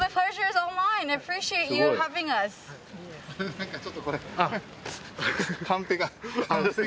なんかちょっとこれ。